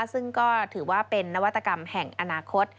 ซึ่งก็ถือว่าเป็นนวัตกรรมแห่งอนาคต